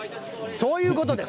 そういうことです。